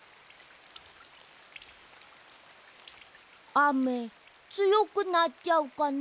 あめつよくなっちゃうかな。